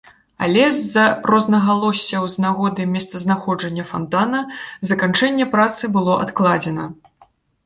Але з-за рознагалоссяў з нагоды месцазнаходжання фантана заканчэнне працы было адкладзена.